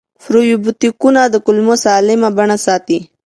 پروبیوتیکونه د کولمو سالمه بڼه ساتي.